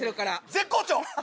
絶好調！